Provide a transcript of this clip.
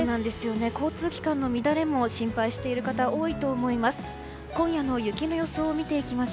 交通機関の乱れも心配している方多いと思います。